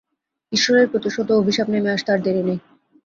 ঈশ্বরের প্রতিশোধ ও অভিশাপ নেমে আসতে আর দেরী নেই।